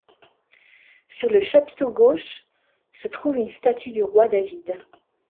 Sur le chapiteau gauche se trouve une statue du roi David.